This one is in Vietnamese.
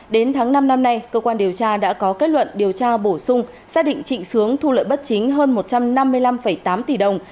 đến tháng năm năm nay cơ quan điều tra đã có kết luận điều tra bổ sung xác định trịnh sướng thu lợi bất chính hơn một trăm năm mươi năm tám tỷ đồng